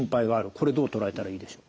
これどう捉えたらいいでしょう？